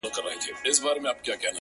• ټوله لار لېوه د شنه ځنگله کیسې کړې ,